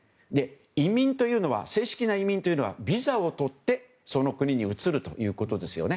移民というのは正式な移民というのはビザをとってその国に移るということですね。